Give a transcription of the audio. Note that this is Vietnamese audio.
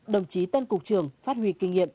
đồng chí tân cục trưởng phát huy kinh nghiệm